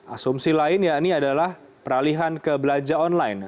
asumsi lain yakni adalah peralihan ke belanja online